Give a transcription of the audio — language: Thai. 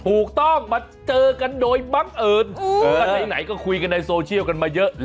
ถูกต้องมาเจอกันโดยบังเอิญก็ไหนก็คุยกันในโซเชียลกันมาเยอะ